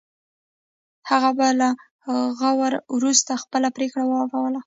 هغه به له غور وروسته خپله پرېکړه اوروله.